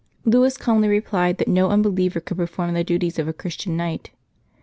Louis calmly replied that no un believer could perform the duties of a Christian knight.